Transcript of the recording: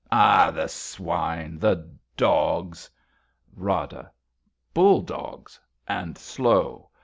Ah ! The swine ! The dogs ! Rada. Bull dogs ; and slow.